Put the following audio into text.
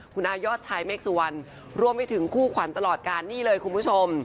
คุณอายอดชายเมฆสุวรรณรวมไปถึงคู่ขวัญตลอดการนี่เลยคุณผู้ชม